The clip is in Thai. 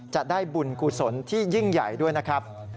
จะได้บุญกุศลที่ยิ่งใหญ่ด้วยนะครับ